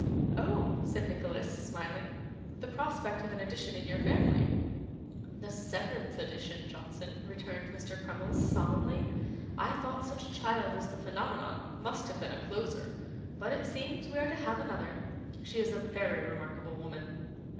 'Oh!' said Nicholas, smiling. 'The prospect of an addition to your family?' 'The seventh addition, Johnson,' returned Mr. Crummles, solemnly. 'I thought such a child as the Phenomenon must have been a closer; but it seems we are to have another. She is a very remarkable woman.